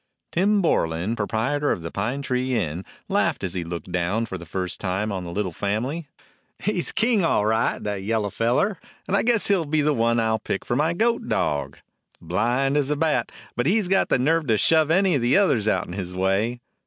Tim Borlan, proprietor of the Pine Tree Inn, laughed as he looked down for the first time on the little family. "He 's king, all right, that yellow feller; and I guess he 'll be the one I 'll pick for my goat dog. Blind as a bat, but he 's got the nerve to shove any of the others out 'n his way.